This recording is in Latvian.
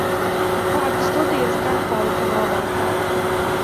Vārda studijas gan palika novārtā.